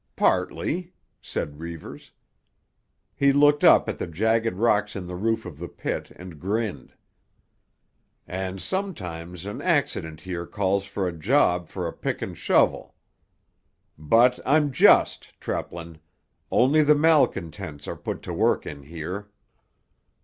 "Partly," said Reivers. He looked up at the jagged rocks in the roof of the pit and grinned. "And sometimes an accident here calls for a job for a pick and shovel. But I'm just, Treplin; only the malcontents are put to work in here."